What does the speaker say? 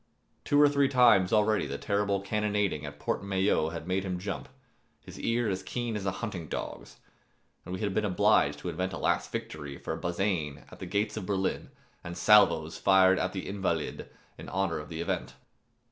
Two or three times already the terrible cannonading at the Porte Maillot had made him jump, his ear as keen as a hunting dog's, and we had been obliged to invent a last victory for Bazaine at the gates of Berlin and salvos fired at the Invalides[273 1] in honor of the event.